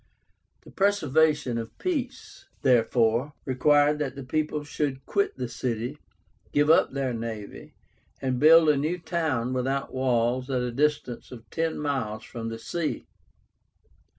The preservation of peace, therefore, required that the people should quit the city, give up their navy, and build a new town without walls at a distance of ten miles from the sea.